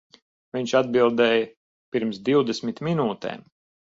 Viņš atbildēja pirms divdesmit minūtēm.